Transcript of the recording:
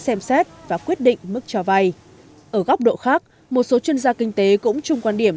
xem xét và quyết định mức cho vay ở góc độ khác một số chuyên gia kinh tế cũng chung quan điểm